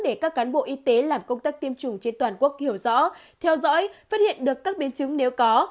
để các cán bộ y tế làm công tác tiêm chủng trên toàn quốc hiểu rõ theo dõi phát hiện được các biến chứng nếu có